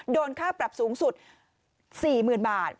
โดนค่าปรับสูงสุด๔๐๐๐บาท